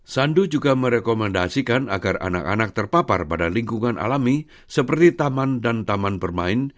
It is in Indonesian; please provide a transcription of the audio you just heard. sandu juga merekomendasikan agar anak anak terpapar pada lingkungan alami seperti taman dan taman bermain